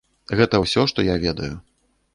Гэта ўсё, што я ведаю.